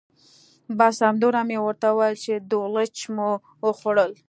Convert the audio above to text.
بس همدومره مې ورته وویل چې دولچ مو وخوړل.